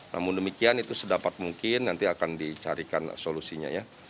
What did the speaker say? namun demikian itu sedapat mungkin nanti akan dicarikan solusinya ya